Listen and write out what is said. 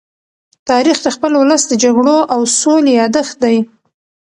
تاریخ د خپل ولس د جګړو او سولې يادښت دی.